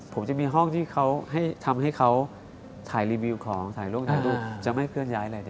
ผมจะมีห้องที่เขาทำให้เขาถ่ายรีวิวของถ่ายรูปถ่ายรูปจะไม่เคลื่อนย้ายเลย